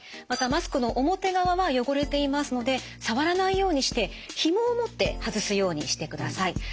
またマスクの表側は汚れていますので触らないようにしてひもを持って外すようにしてください。